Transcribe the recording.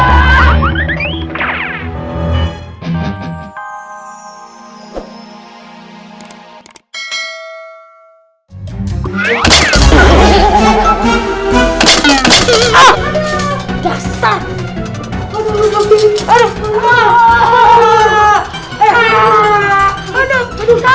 kok sakit kita telat ya